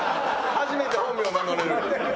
初めて本名名乗れる。